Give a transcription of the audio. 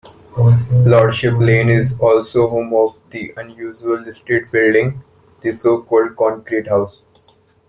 Lordship Lane is also home of the unusual listed building, the so-called "Concrete House".